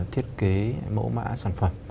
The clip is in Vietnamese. thiết kế mẫu mã sản phẩm